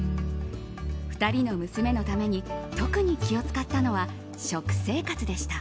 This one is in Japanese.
２人の娘のために特に気を使ったのは食生活でした。